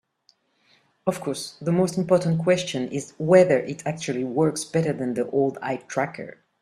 Of course, the most important question is whether it actually works better than the old eye tracker.